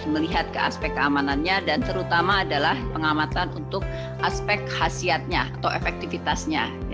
melihat ke aspek keamanannya dan terutama adalah pengamatan untuk aspek khasiatnya atau efektivitasnya